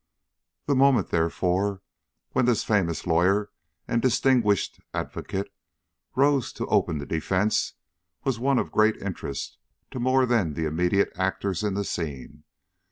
The moment, therefore, when this famous lawyer and distinguished advocate rose to open the defence, was one of great interest to more than the immediate actors in the scene.